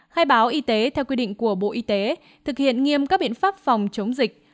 khai báo y tế theo quy định của bộ y tế thực hiện nghiêm các biện pháp phòng chống dịch